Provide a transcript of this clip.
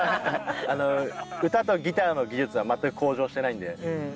歌とギターの技術は全く向上してないんで。